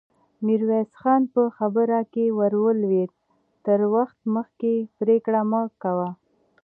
ميرويس خان په خبره کې ور ولوېد: تر وخت مخکې پرېکړه مه کوه!